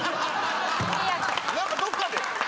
何かどっかで。